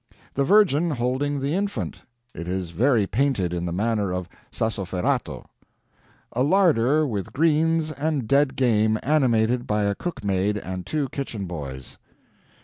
"The Virgin holding the Infant. It is very painted in the manner of Sassoferrato." "A Larder with greens and dead game animated by a cook maid and two kitchen boys."